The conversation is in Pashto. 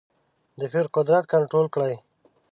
د پیر قدرت کنټرول کړې.